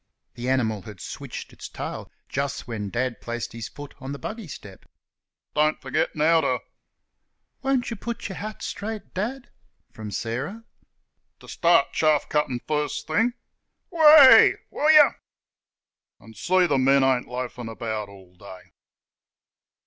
(the animal had switched its tail just when Dad placed his foot on the buggy step) "don't f'get now ter " ("Won't you put your hat straight, Dad?" from Sarah) "ter start chaff cuttin' first thing WEH! Will yer an' see th' men ain't loafin' about all day."